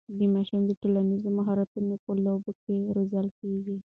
د ماشومانو ټولنیز مهارتونه په لوبو کې روزل کېږي.